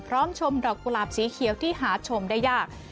ชมดอกกุหลาบสีเขียวที่หาชมได้ยาก